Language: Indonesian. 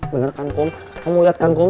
bener kan kum kamu lihat kan kum